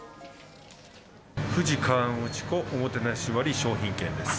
富士河口湖おもてなし割商品券です。